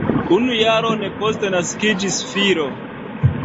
Unu jaron poste naskiĝis filo.